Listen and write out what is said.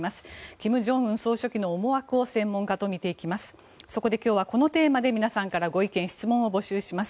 金正恩総書記の思惑を専門家と見ていきます。